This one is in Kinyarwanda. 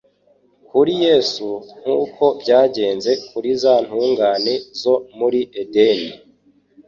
Kuri Yesu, nkuko byagenze kuri za ntungane zo muri Edeni,